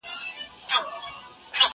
زه اوږده وخت د کتابتون د کار مرسته کوم!